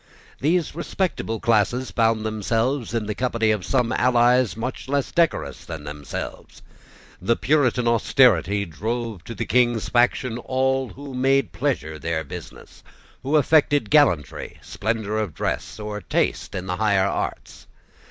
These respectable classes found themselves in the company of some allies much less decorous than themselves. The Puritan austerity drove to the king's faction all who made pleasure their business, who affected gallantry, splendour of dress, or taste in the higher arts.